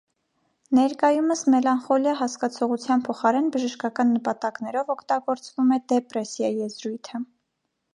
Ներկայումս «մելանխոլիա» հասկացողության փոխարեն բժշկական նպատակներով օգտագործվում է «դեպրեսիա» եզրույթը։